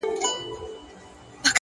ځان پېژندنه د حکمت پیل دی